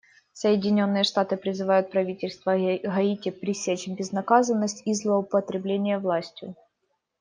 Соединенные Штаты призывают правительство Гаити пресечь безнаказанность и злоупотребления властью.